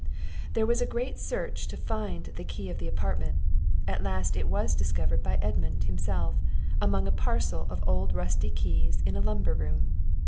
There was a great search to find the key of the apartment; at last it was discovered by Edmund, himself, among a parcel of old rusty keys in a lumber room.